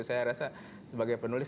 saya rasa sebagai penulis